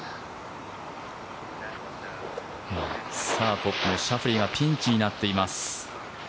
ここもシャフリーがピンチになっています。